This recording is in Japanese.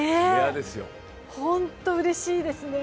本当にうれしいですね